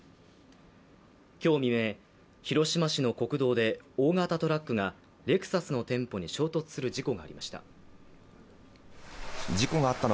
今日未明、広島市の国道で大型トラックがレクサスの店舗に衝突する事故がありました。